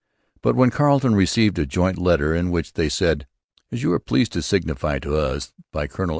But when Carleton received a joint letter in which they said, 'As you are pleased to signifye to Us by Coll.